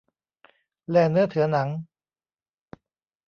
แล่เนื้อเถือหนัง